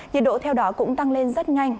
nhiệt độ theo đó cũng tăng lên rất nhanh